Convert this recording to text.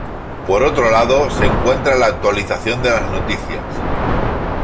Por otro lado, se encuentra la actualización de las noticias.